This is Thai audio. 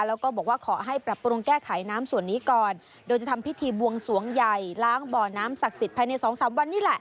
แล้วก็บอกว่าขอให้ปรับปรุงแก้ไขน้ำส่วนนี้ก่อนโดยจะทำพิธีบวงสวงใหญ่ล้างบ่อน้ำศักดิ์สิทธิภายในสองสามวันนี้แหละ